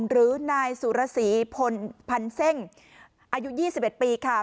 หรือนายสุรสีพันเซ่งอายุ๒๑ปีค่ะ